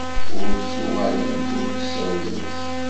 Ur d-tuɣalemt ur d-tsawlemt.